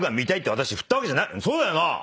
そうだよな⁉なあ